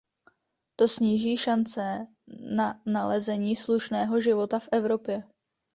To sníží šance na nalezení slušného života v Evropě.